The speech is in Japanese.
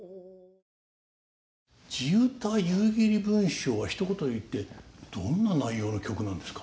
地唄「夕霧文章」はひと言で言ってどんな内容の曲なんですか？